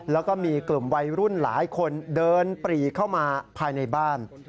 แล้วก็มีกลุ่มวัยรุ่นหลายคนเดินปรีเข้ามาภายในบ้าน